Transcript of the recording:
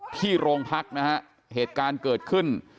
ที่โรงพักนะฮะเหตุการณ์เกิดขึ้น